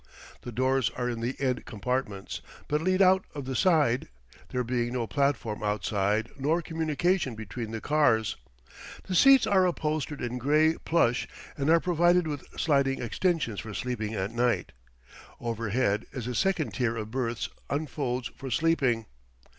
The doors are in the end compartments, but lead out of the side, there being no platform outside, nor communication between the cars. The seats are upholstered in gray plush and are provided with sliding extensions for sleeping at night. Overhead a second tier of berths unfolds for sleeping.